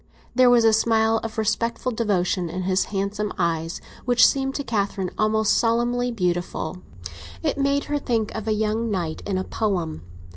There was a smile of respectful devotion in his handsome eyes which seemed to Catherine almost solemnly beautiful; it made her think of a young knight in a poem.